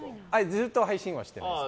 ずっと配信はしてないです。